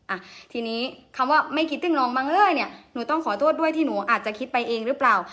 อ่ะทีนี้คำว่าไม่คิดติ้งลงบ้างเลยเนี่ยหนูต้องขอโทษด้วยที่หนูอาจจะคิดไปเองหรือเปล่า